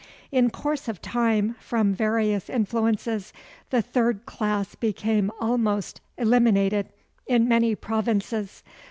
In course of time, from various influences, the third class became almost eliminated in many provinces.